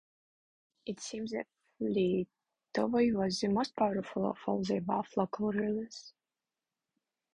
It seems that Litovoi was the most powerful of all the above local rulers.